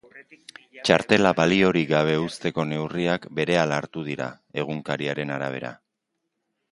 Txartela baliorik gabe uzteko neurriak berehala hartu dira, egunkariaren arabera.